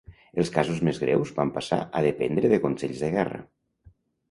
Els casos més greus van passar a dependre de consells de guerra.